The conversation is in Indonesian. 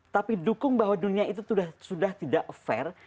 tapi dukung bahwa dunia itu sudah tidak fair